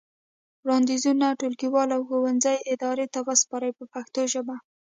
وړاندیزونه ټولګیوالو او ښوونځي ادارې ته وسپارئ په پښتو ژبه.